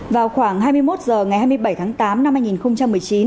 vào khoảng hai mươi một h ngày hai mươi bảy tháng tám năm hai nghìn một mươi chín